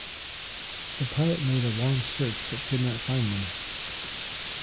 The pilot made a long search but could not find them.